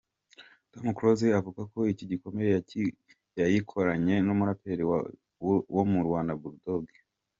Tom Close avuga ko “Igikomere” yayikoranye n’umuraperi wo mu Rwanda, Bull Dogg.